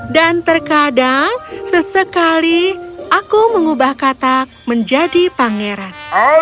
dan terkadang sesekali aku mengubah katak menjadi pangeran